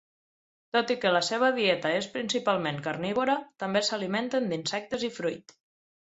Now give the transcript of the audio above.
Tot i que la seva dieta és principalment carnívora, també s'alimenten d'insectes i fruit.